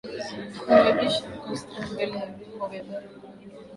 kumuaibisha Castro mbele ya vyombo vya habari vya dunia